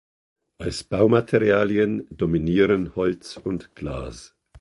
Als Baumaterialien dominieren Holz und Glas.